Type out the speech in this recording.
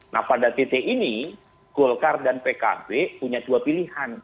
nah pada titik ini golkar dan pkb punya dua pilihan